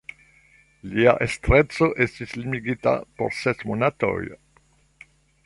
Lia estreco estis limigita por ses monatoj.